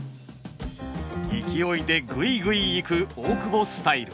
勢いでグイグイいく大久保スタイル。